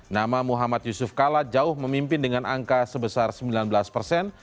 nama muhammad yusuf kala jauh memimpin dengan angka sebesar sembilan belas persen